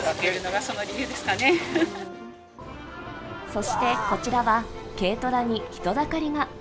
そして、こちらは軽トラに人だかりが。